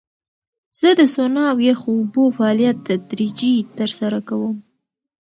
زه د سونا او یخو اوبو فعالیت تدریجي ترسره کوم.